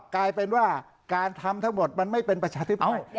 กลายเป็นว่าการทำทั้งหมดมันไม่เป็นประชาธิปไตย